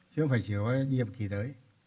chứ không phải chỉ hỏi nhiệm kỳ tới